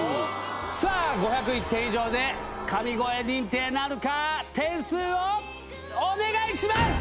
さあ、５０１点以上で神声認定なるか、点数をお願いします。